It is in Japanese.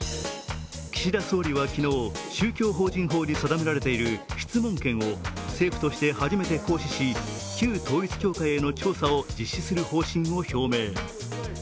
岸田総理は昨日、宗教法人法で定められている質問権を政府として初めて行使し旧統一教会への調査を実施する方針を表明。